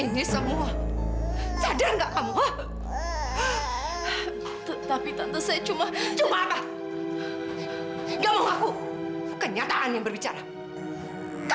gimana keadaan rumah kita di kampung sekarang ya pak